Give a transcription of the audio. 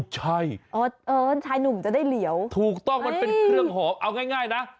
ใช่ชายหนุ่มจะได้เหลียวถูกต้องมันเป็นเครื่องหอมเอาง่ายนะ